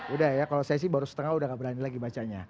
udah ya kalau saya sih baru setengah udah gak berani lagi bacanya